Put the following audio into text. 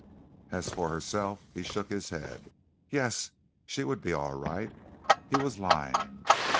As for herself, he shook his head. Yes, she would be all right. He was lying.